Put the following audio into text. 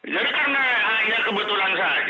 jadi karena hanya kebetulan saja barang kali